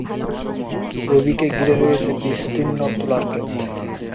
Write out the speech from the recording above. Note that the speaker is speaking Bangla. রোবিকে ঘিরে রয়েছে বিস্তীর্ণ তুলার ক্ষেত।